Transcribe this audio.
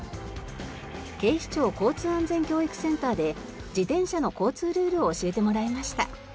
警視庁交通安全教育センターで自転車の交通ルールを教えてもらいました。